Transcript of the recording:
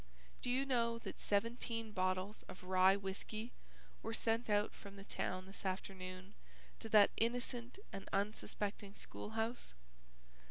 Do you know that seventeen bottles of rye whiskey were sent out from the town this afternoon to that innocent and unsuspecting school house?